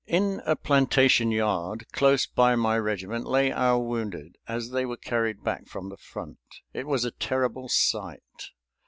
In a plantation yard, close by my regiment, lay our wounded as they were carried back from the front. It was a terrible sight.